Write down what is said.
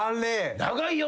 長いよ